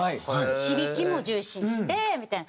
響きも重視してみたいな。